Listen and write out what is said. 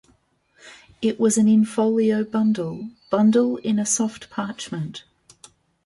It was an in-folio bundle, bundle in a soft parchment.